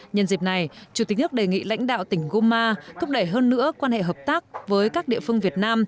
nhân dịp này chủ tịch nước đề nghị lãnh đạo tỉnh guma thúc đẩy hơn nữa quan hệ hợp tác với các địa phương việt nam